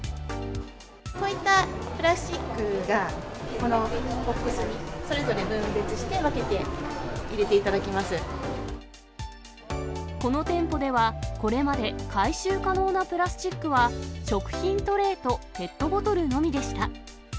こういったプラスチックが、このボックスに、それぞれ分別して、この店舗では、これまで回収可能なプラスチックは、食品トレーとペットボトルのみでした。